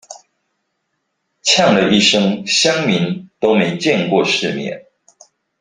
嗆了一聲鄉民都沒見過世面